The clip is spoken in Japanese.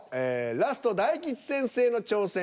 ラスト大吉先生の挑戦。